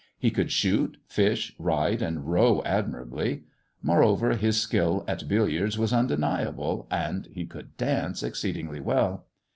He could shoot, fish, ride, and row admirably; moreover, his skill at billiards was undeniable^' and he could dance exceedingly well.